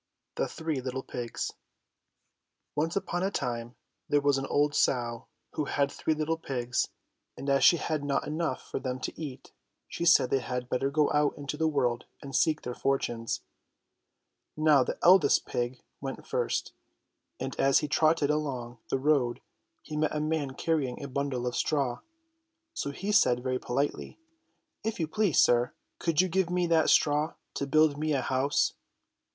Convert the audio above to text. THE THREE LITTLE PIGS ONCE upon a time there was an old sow who had three httle pigs, and as she had not enough for them to eat, she said they had better go out into the world and seek their fortunes. Now the eldest pig went first, and as he trotted along the road he met a man carrying a bundle of straw. So he said very politely : "If you please, sir, could you give me that straw to build me a house ?"